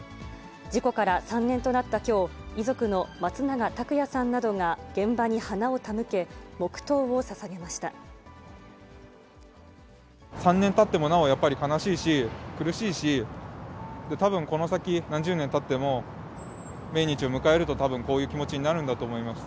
事故から３年となったきょう、遺族の松永拓也さんなどが現場に花を手３年たってもなお、やっぱり悲しいし、苦しいし、たぶんこの先、何十年たっても、命日を迎えると、たぶん、こういう気持ちになるんだと思います。